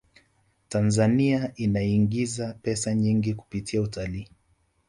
tanzania inaingiza pesa nyingi kupitia utalii